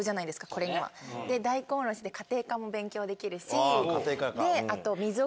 これには。で大根おろしで家庭科も勉強できるし。